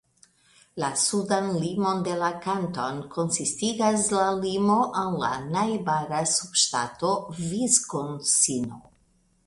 La sudan limon de la kanton konsistigas la limo al la najbara subŝtato Viskonsino.